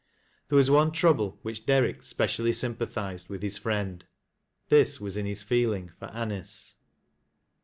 There was one trouble in which Derrick specially sj mpathized with his friend. This was in his feeling f oi A nice.